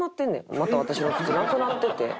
また私の靴なくなってて。